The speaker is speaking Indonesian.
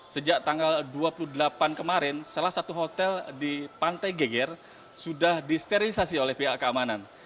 sejak tanggal dua puluh delapan kemarin salah satu hotel di pantai geger sudah disterilisasi oleh pihak keamanan